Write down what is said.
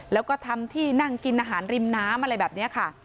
แล้วก็ทำที่นั่งกินอาหารริมน้ำอะไรแบบนี้ค่ะ